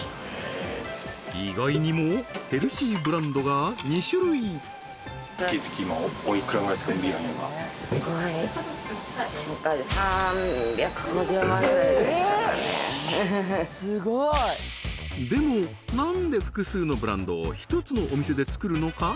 意外にもヘルシーブランドが２種類でも何で複数のブランドを１つのお店で作るのか？